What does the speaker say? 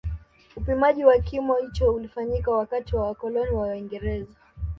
Upimaji wa kimo hicho ulifanyika wakati wa wakoloni wa waingereza